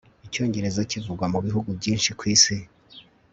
icyongereza kivugwa mu bihugu byinshi ku isi